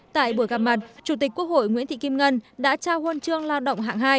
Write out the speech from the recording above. tại buổi gặp mặt chủ tịch quốc hội nguyễn thị kim ngân đã trao huân chương lao động hạng hai